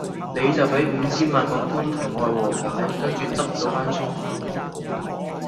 你就比五千萬個官庭外和解，跟住執左間廠